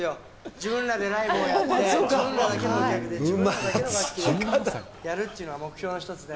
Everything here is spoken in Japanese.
自分らでライブをやって、自分らだけの楽器でやるっていうのは目標の一つで。